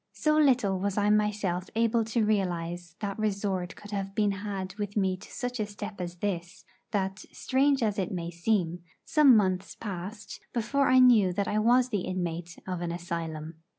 So little was I myself able to realise that resort could have been had with me to such a step as this, that, strange as it may seem, some months passed before I knew that I was the inmate of an asylum.